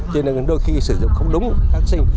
cho nên đôi khi sử dụng không đúng phát sinh